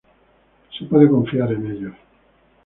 Se puede confiar en ellos.